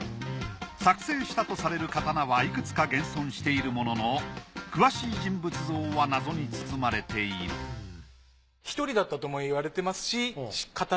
作製したとされる刀はいくつか現存しているものの詳しい人物像は謎に包まれている私は初めて見ますね。